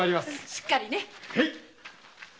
しっかりね。